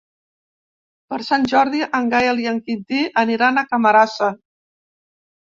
Per Sant Jordi en Gaël i en Quintí aniran a Camarasa.